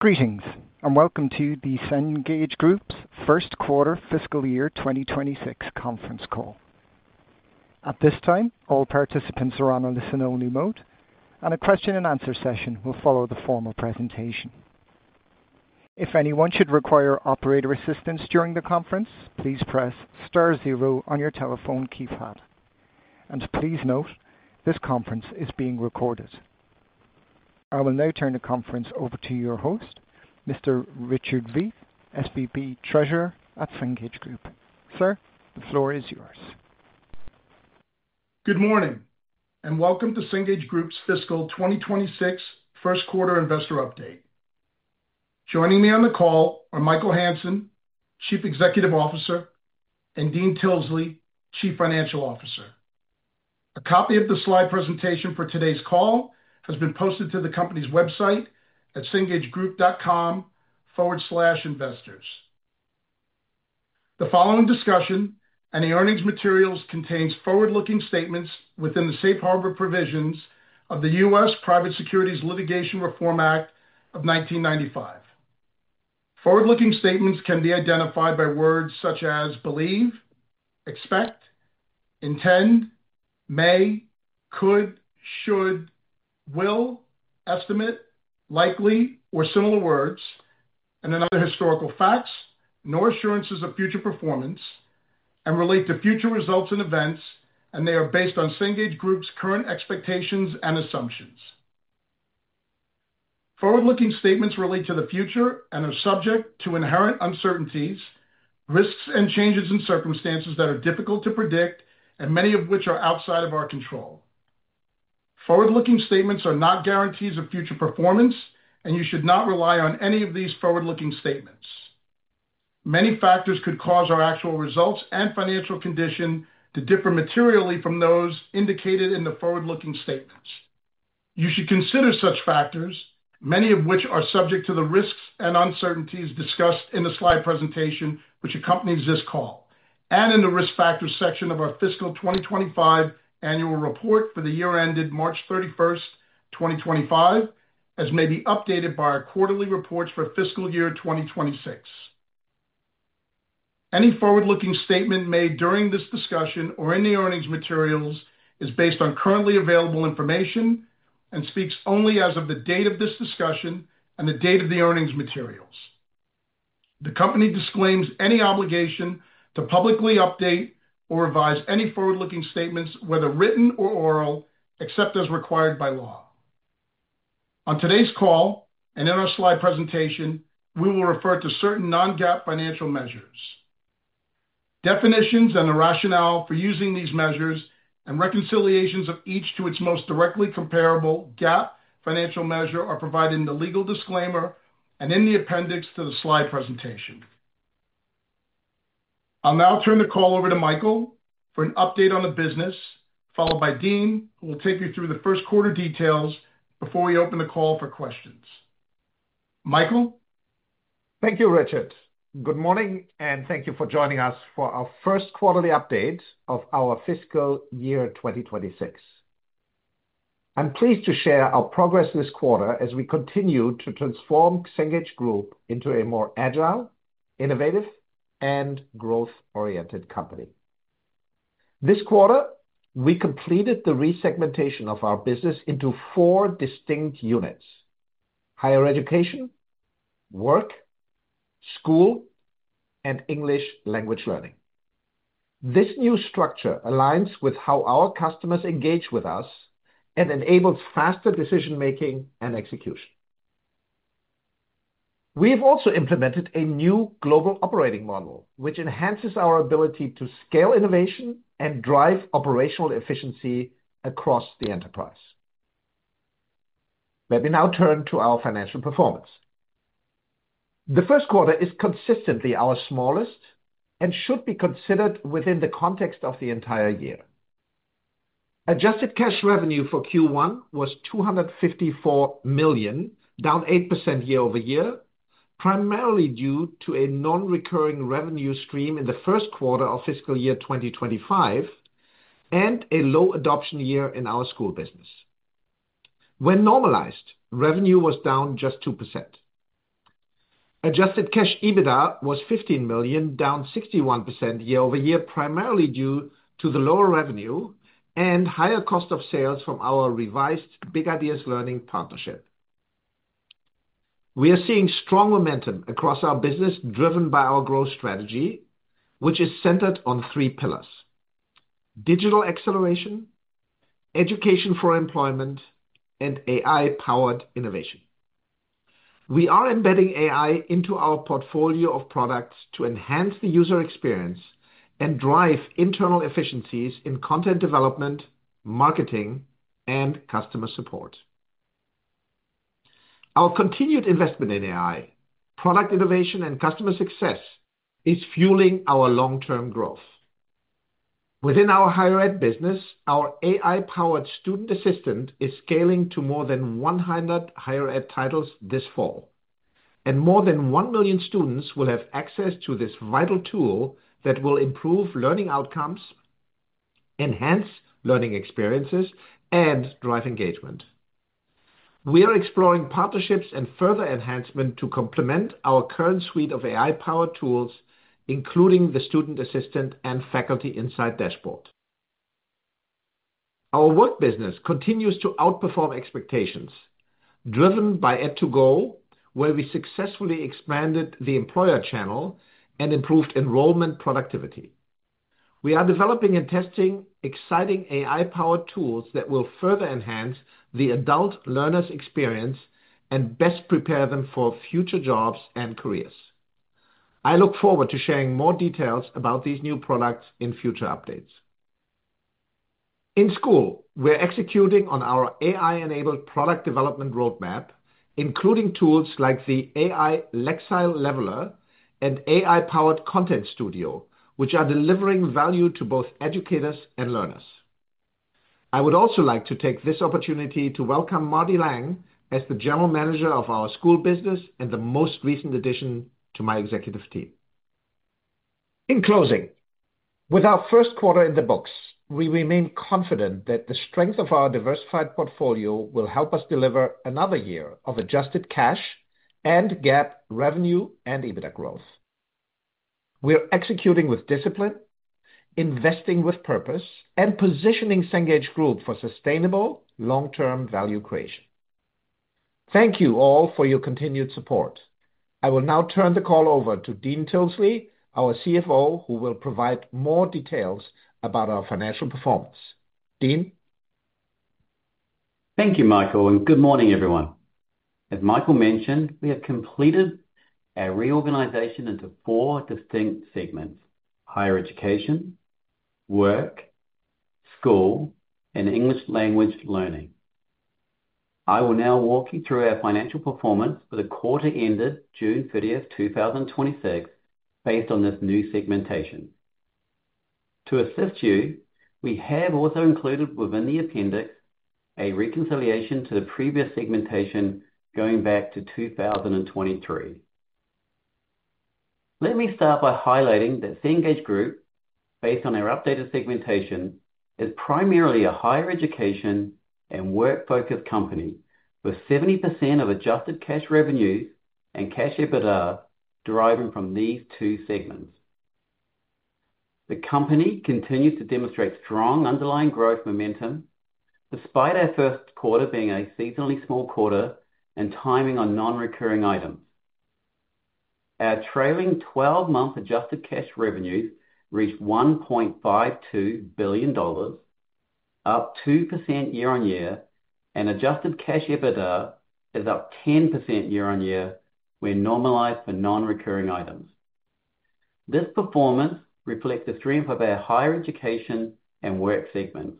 Greetings and welcome to the Cengage Group's first quarter fiscal year 2026 conference call. At this time, all participants are on a listen-only mode, and a question-and-answer session will follow the formal presentation. If anyone should require operator assistance during the conference, please press *0 on your telephone keypad. Please note, this conference is being recorded. I will now turn the conference over to your host, Mr. Richard Veith, SVP Treasurer at Cengage Group. Sir, the floor is yours. Good morning and welcome to Cengage Group's fiscal 2026 first quarter investor update. Joining me on the call are Michael Hansen, Chief Executive Officer, and Dean Tilsley, Chief Financial Officer. A copy of the slide presentation for today's call has been posted to the company's website at cengagegroup.com/investors. The following discussion and the earnings materials contain forward-looking statements within the safe harbor provisions of the U.S. Private Securities Litigation Reform Act of 1995. Forward-looking statements can be identified by words such as believe, expect, intend, may, could, should, will, estimate, likely, or similar words, and are not historical facts nor assurances of future performance and relate to future results and events, and they are based on Cengage Group's current expectations and assumptions. Forward-looking statements relate to the future and are subject to inherent uncertainties, risks, and changes in circumstances that are difficult to predict, many of which are outside of our control. Forward-looking statements are not guarantees of future performance, and you should not rely on any of these forward-looking statements. Many factors could cause our actual results and financial condition to differ materially from those indicated in the forward-looking statements. You should consider such factors, many of which are subject to the risks and uncertainties discussed in the slide presentation which accompanies this call and in the risk factors section of our fiscal 2025 annual report for the year ended March 31, 2025, as may be updated by our quarterly reports for fiscal year 2026. Any forward-looking statement made during this discussion or in the earnings materials is based on currently available information and speaks only as of the date of this discussion and the date of the earnings materials. The company disclaims any obligation to publicly update or revise any forward-looking statements, whether written or oral, except as required by law. On today's call and in our slide presentation, we will refer to certain non-GAAP financial measures. Definitions and the rationale for using these measures and reconciliations of each to its most directly comparable GAAP financial measure are provided in the legal disclaimer and in the appendix to the slide presentation. I'll now turn the call over to Michael for an update on the business, followed by Dean, who will take you through the first quarter details before we open the call for questions. Michael? Thank you, Richard. Good morning and thank you for joining us for our first quarterly update of our fiscal year 2026. I'm pleased to share our progress this quarter as we continue to transform Cengage Group into a more agile, innovative, and growth-oriented company. This quarter, we completed the resegmentation of our business into four distinct units: higher education, work, school, and English language learning. This new structure aligns with how our customers engage with us and enables faster decision-making and execution. We've also implemented a new global operating model, which enhances our ability to scale innovation and drive operational efficiency across the enterprise. Let me now turn to our financial performance. The first quarter is consistently our smallest and should be considered within the context of the entire year. Adjusted cash revenue for Q1 was $254 million, down 8% year-over-year, primarily due to a non-recurring revenue stream in the first quarter of fiscal year 2025 and a low adoption year in our school business. When normalized, revenue was down just 2%. Adjusted cash EBITDA was $15 million, down 61% year-over-year, primarily due to the lower revenue and higher cost of sales from our revised Big Ideas Learning partnership. We are seeing strong momentum across our business, driven by our growth strategy, which is centered on three pillars: digital acceleration, education for employment, and AI-powered innovation. We are embedding AI into our portfolio of products to enhance the user experience and drive internal efficiencies in content development, marketing, and customer support. Our continued investment in AI, product innovation, and customer success is fueling our long-term growth. Within our higher ED business, our AI-powered student assistant is scaling to more than 100 higher ed titles this fall, and more than 1 million students will have access to this vital tool that will improve learning outcomes, enhance learning experiences, and drive engagement. We are exploring partnerships and further enhancement to complement our current suite of AI-powered tools, including the student assistant and faculty insight dashboard. Our work business continues to outperform expectations, driven by Ed2Go, where we successfully expanded the employer channel and improved enrollment productivity. We are developing and testing exciting AI-powered tools that will further enhance the adult learners' experience and best prepare them for future jobs and careers. I look forward to sharing more details about these new products in future updates. In school, we're executing on our AI-enabled product development roadmap, including tools like the AI Lexile Leveler and AI-powered Content Studio, which are delivering value to both educators and learners. I would also like to take this opportunity to welcome Marty Lang as the General Manager of our school business and the most recent addition to my executive team. In closing, with our first quarter in the books, we remain confident that the strength of our diversified portfolio will help us deliver another year of adjusted cash and GAAP revenue and EBITDA growth. We're executing with discipline, investing with purpose, and positioning Cengage Group for sustainable long-term value creation. Thank you all for your continued support. I will now turn the call over to Dean Tilsley, our CFO, who will provide more details about our financial performance. Dean. Thank you, Michael, and good morning, everyone. As Michael mentioned, we have completed our reorganization into four distinct segments: higher education, work, school, and English language learning. I will now walk you through our financial performance for the quarter ended June 30, 2026, based on this new segmentation. To assist you, we have also included within the appendix a reconciliation to the previous segmentation going back to 2023. Let me start by highlighting that Cengage Group, based on our updated segmentation, is primarily a higher education and work-focused company, with 70% of adjusted cash revenue and adjusted cash EBITDA deriving from these two segments. The company continues to demonstrate strong underlying growth momentum, despite our first quarter being a seasonally small quarter and timing on non-recurring items. Our trailing 12-month adjusted cash revenues reached $1.52 billion, up 2% year-on-year, and adjusted cash EBITDA is up 10% year-on-year, when normalized for non-recurring items. This performance reflects the strength of our higher education and work segments,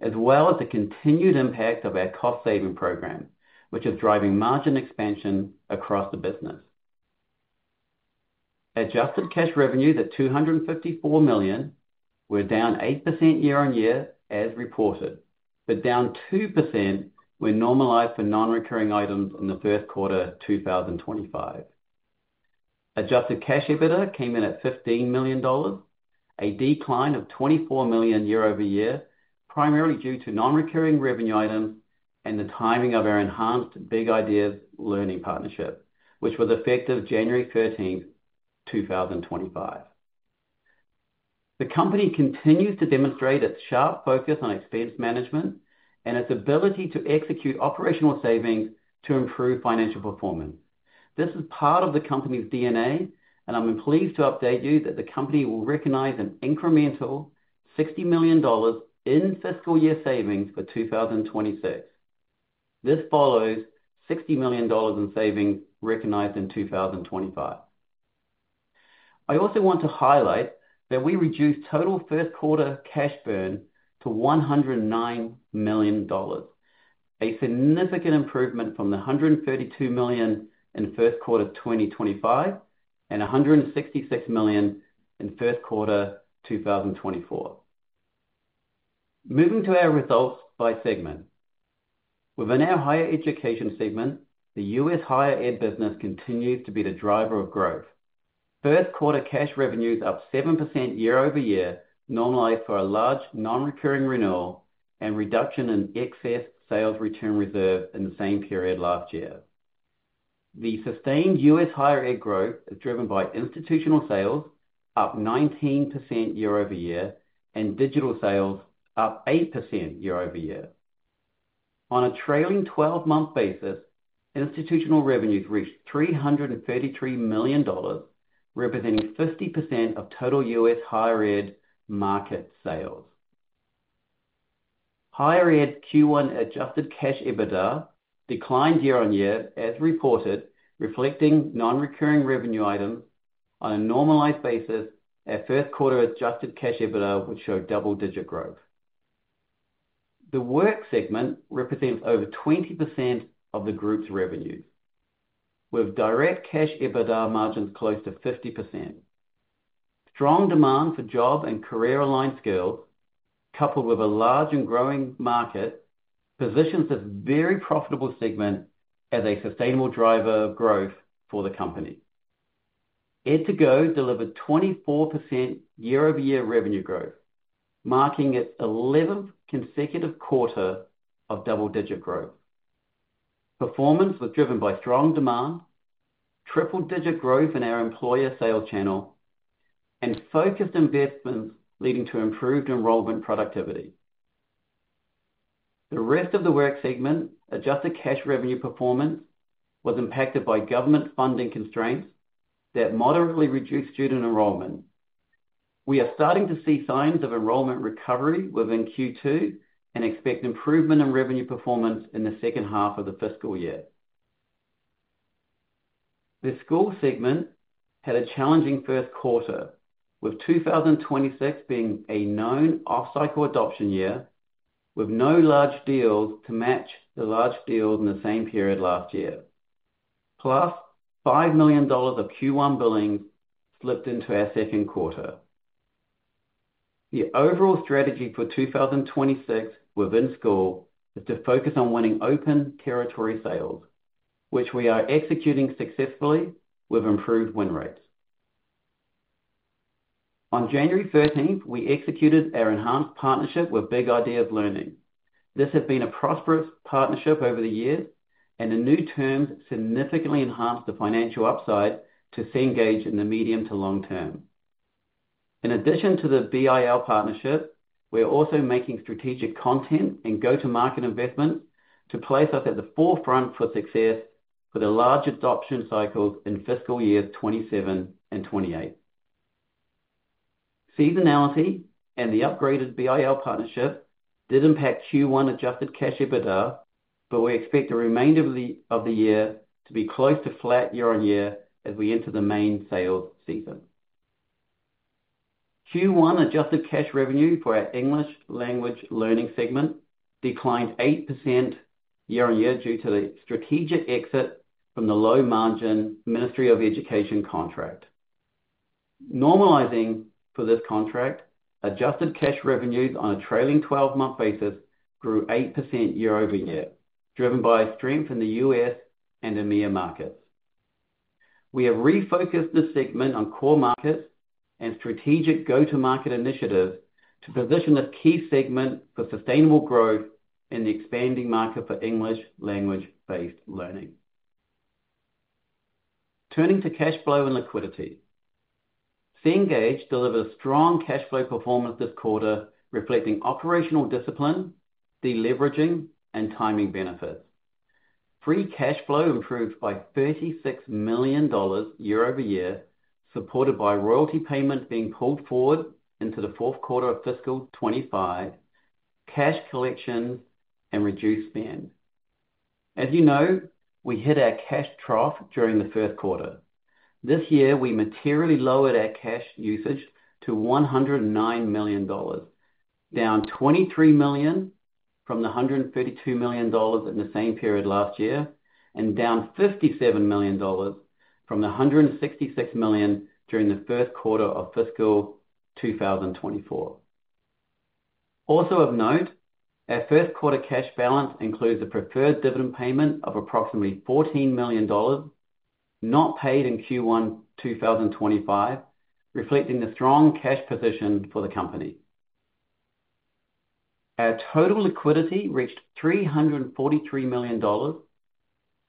as well as the continued impact of our cost-saving program, which is driving margin expansion across the business. Adjusted cash revenues at $254 million were down 8% year-on-year as reported, but down 2% when normalized for non-recurring items in the first quarter of 2025. Adjusted cash EBITDA came in at $15 million, a decline of $24 million year-over-year, primarily due to non-recurring revenue items and the timing of our enhanced Big Ideas Learning partnership, which was effective January 13, 2025. The company continues to demonstrate its sharp focus on expense management and its ability to execute operational savings to improve financial performance. This is part of the company's DNA, and I'm pleased to update you that the company will recognize an incremental $60 million in fiscal year savings for 2026. This follows $60 million in savings recognized in 2025. I also want to highlight that we reduced total first quarter cash burn to $109 million, a significant improvement from the $132 million in first quarter 2025 and $166 million in first quarter 2024. Moving to our results by segment, within our higher education segment, the U.S. higher ed business continues to be the driver of growth. First quarter cash revenues up 7% year-over-year, normalized for a large non-recurring renewal and reduction in excess sales return reserve in the same period last year. The sustained U.S. Higher ed growth is driven by institutional sales up 19% year-over-year and digital sales up 8% year-over-year. On a trailing 12-month basis, institutional revenues reached $333 million, representing 50% of total U.S. higher ed market sales. Higher ed's Q1 adjusted cash EBITDA declined year-on-year as reported, reflecting non-recurring revenue items. On a normalized basis, our first quarter adjusted cash EBITDA would show double-digit growth. The Work segment represents over 20% of the group's revenue, with direct cash EBITDA margins close to 50%. Strong demand for job and career-aligned skills, coupled with a large and growing market, positions this very profitable segment as a sustainable driver of growth for the company. Ed2Go delivered 24% year-over-year revenue growth, marking its 11th consecutive quarter of double-digit growth. Performance was driven by strong demand, triple-digit growth in our employer channel, and focused investments leading to improved enrollment productivity. The rest of the Work segment's adjusted cash revenue performance was impacted by government funding constraints that moderately reduced student enrollment. We are starting to see signs of enrollment recovery within Q2 and expect improvement in revenue performance in the second half of the fiscal year. The School segment had a challenging first quarter, with 2026 being a known off-cycle adoption year, with no large deals to match the large deals in the same period last year. Plus, $5 million of Q1 billings slipped into our second quarter. The overall strategy for 2026 within School is to focus on winning open territory sales, which we are executing successfully with improved win rates. On January 13th, we executed our enhanced partnership with Big Ideas Learning. This has been a prosperous partnership over the years, and the new terms significantly enhanced the financial upside to Cengage Group in the medium to long term. In addition to the Big Ideas Learning partnership, we are also making strategic content and go-to-market investment to place us at the forefront for success for the large adoption cycles in fiscal years 2027 and 2028. Seasonality and the upgraded Big Ideas Learning partnership did impact Q1 adjusted cash EBITDA, but we expect the remainder of the year to be close to flat year-on-year as we enter the main sales season. Q1 adjusted cash revenue for our English language learning segment declined 8% year-on-year due to the strategic exit from the low-margin Ministry of Education contract. Normalizing for this contract, adjusted cash revenues on a trailing 12-month basis grew 8% year-over-year, driven by a strength in the U.S. and EMEA markets. We have refocused the segment on core markets and strategic go-to-market initiatives to position the key segment for sustainable growth in the expanding market for English language-based learning. Turning to cash flow and liquidity, Cengage Learning Holdings II delivers strong cash flow performance this quarter, reflecting operational discipline, deleveraging, and timing benefits. Free cash flow improved by $36 million year-over-year, supported by royalty payments being pulled forward into the fourth quarter of fiscal 2025, cash collection, and reduced spend. As you know, we hit our cash trough during the first quarter. This year, we materially lowered our cash usage to $109 million, down $23 million from the $132 million in the same period last year, and down $57 million from the $166 million during the first quarter of fiscal 2024. Also of note, our first quarter cash balance includes a preferred dividend payment of approximately $14 million not paid in Q1 2025, reflecting a strong cash position for the company. Our total liquidity reached $343 million,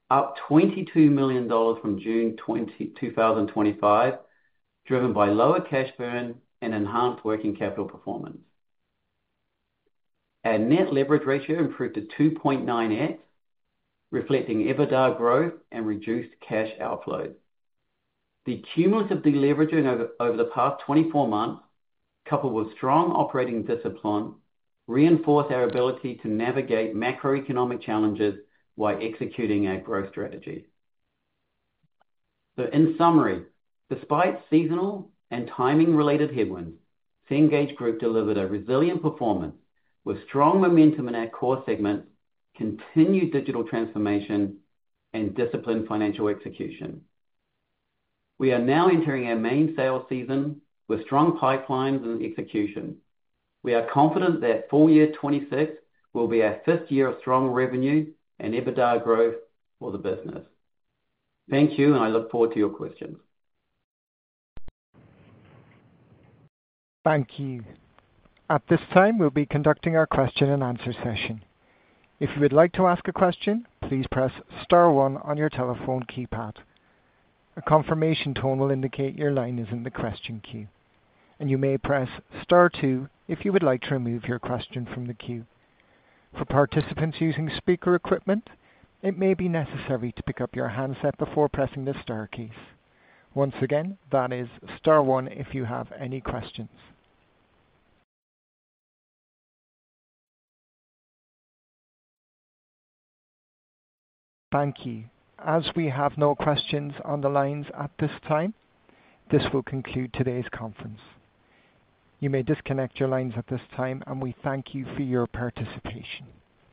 up $22 million from June, 2025, driven by lower cash burn and enhanced working capital performance. Our net leverage ratio improved to 2.9X, reflecting EBITDA growth and reduced cash outflows. The cumulative deleveraging over the past 24 months, coupled with strong operating discipline, reinforced our ability to navigate macroeconomic challenges while executing our growth strategy. In summary, despite seasonal and timing-related headwinds, Cengage Learning Holdings II delivered a resilient performance with strong momentum in our core segment, continued digital transformation, and disciplined financial execution. We are now entering our main sales season with strong pipelines and execution. We are confident that full year 2026 will be our fifth year of strong revenue and EBITDA growth for the business. Thank you, and I look forward to your questions. Thank you. At this time, we'll be conducting our question-and-answer session. If you would like to ask a question, please press *1 on your telephone keypad. A confirmation tone will indicate your line is in the question queue, and you may press *2 if you would like to remove your question from the queue. For participants using speaker equipment, it may be necessary to pick up your handset before pressing the * keys. Once again, that is *1 if you have any questions. Thank you. As we have no questions on the lines at this time, this will conclude today's conference. You may disconnect your lines at this time, and we thank you for your participation.